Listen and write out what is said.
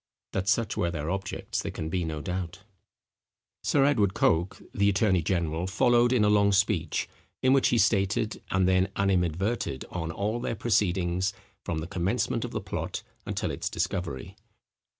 That such were their objects there can be no doubt. Sir Edward Coke, the attorney general, followed in a long speech, in which he stated, and then animadverted on, all their proceedings, from the commencement of the plot until its discovery.